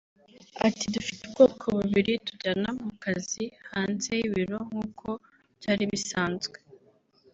Ati “Dufite ubwoko bubiri tujyana mu kazi hanze y’ibiro nk’uko byari bisanzwe